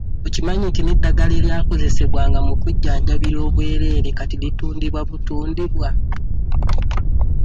Okimanyi nti n'eddagala eryakozesebwanga mu kujjanjabira obwereere kati litundibwa butundibwa?